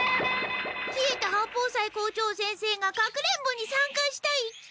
稗田八方斎校長先生が隠れんぼにさんかしたいって。